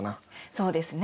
そうですね